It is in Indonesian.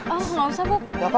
oh gak usah bob